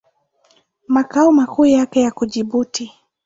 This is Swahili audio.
Makao makuu yake yako Jibuti.